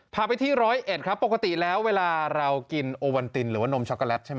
พาไปที่ร้อยเอ็ดครับปกติแล้วเวลาเรากินโอวันตินหรือว่านมช็อกโกแลตใช่ไหม